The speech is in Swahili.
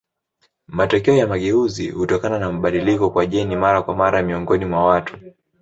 Matokeo ya mageuzi hutokana na mabadiliko kwa jeni mara kwa mara miongoni mwa watu.